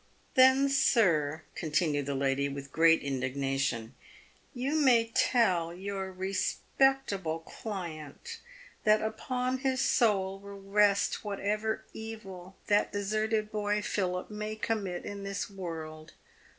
"Then, sir," continued the lady, with great indignation, "you may tell your respectable client that upon his soul will rest whatever evil that deserted boy Philip may commit in this world.